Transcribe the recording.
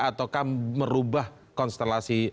atau merubah konstelasi